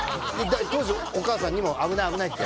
当時お母さんにも危ない危ないって。